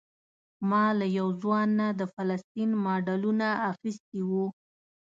ما له یو ځوان نه د فلسطین ماډلونه اخیستي وو.